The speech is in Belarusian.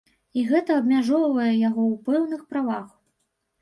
І гэта абмяжоўвае яго ў пэўных правах.